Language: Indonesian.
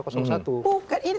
bukan ini terkait andi harip